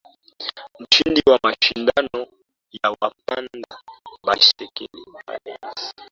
mshindi wa mashindano ya wapanda baiskeli